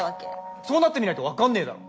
そうなってみないと分かんねぇだろ